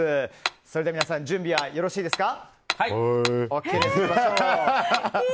それでは皆さん、よろしいですか。